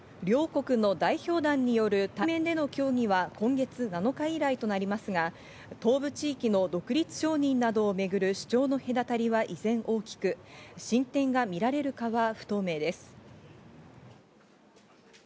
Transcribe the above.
両国の代表団による対面での協議は今月７日以来となりますが、東部地域の独立承認などをめぐる主張の隔たりは依然大きく進展が見られるかは不透明です。